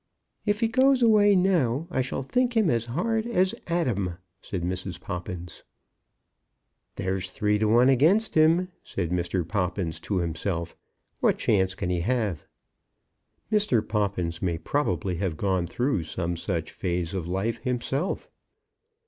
"If he goes away now I shall think him as hard as Adam," said Mrs. Poppins. "There's three to one again him," said Mr. Poppins to himself. "What chance can he have?" Mr. Poppins may probably have gone through some such phase of life himself.